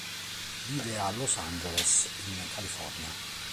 Vive a Los Angeles, in California.